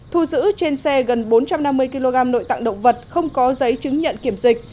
thu giữ trên xe gần bốn trăm năm mươi kg nội tạng động vật không có giấy chứng nhận kiểm dịch